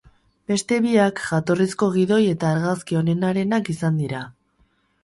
Beste biak jatorrizko gidoi eta argazki onenarenak izan dira.